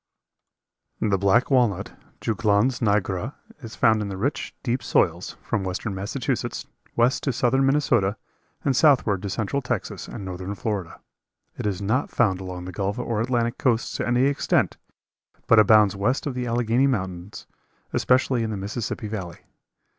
The black walnut (Juglans nigra) is found in the rich, deep soils, from western Massachusetts, west to southern Minnesota and southward to central Texas and northern Florida. It is not found along the gulf or Atlantic coasts to any extent, but abounds west of the Allegheny mountains, especially in the Mississippi Valley.